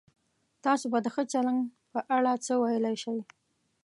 تاسو د ښه چلند په اړه څه ویلای شئ؟